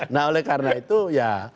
nah oleh karena itu ya